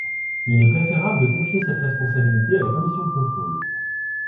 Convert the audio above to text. Il est préférable de confier cette responsabilité à la commission de contrôle.